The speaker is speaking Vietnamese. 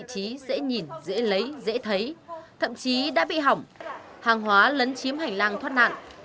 các vị trí dễ nhìn dễ lấy dễ thấy thậm chí đã bị hỏng hàng hóa lấn chiếm hành lang thoát nạn